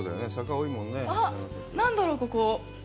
あっ、何だろう、ここ。